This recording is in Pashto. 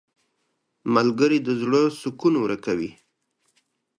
• ملګری د زړه سکون ورکوي.